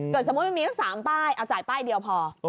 เกิดสมมุติมันไม่มี๓ป้ายเอาจ่ายป้ายเดียวพอ